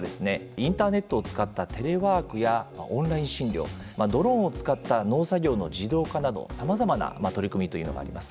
インターネットを使ったテレワークやオンライン診療ドローンを使った農作業の自動化などさまざまな取り組みというのがあります。